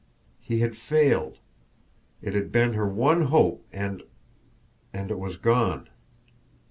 He had failed! It had been her one hope, and and it was gone.